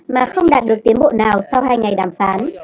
mà không đạt được tiến bộ nào sau hai ngày đàm phán